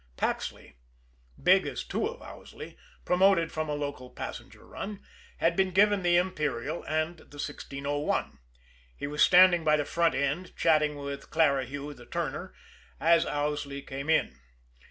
Paxley, big as two of Owsley, promoted from a local passenger run, had been given the Imperial and the 1601. He was standing by the front end, chatting with Clarihue, the turner, as Owsley came in.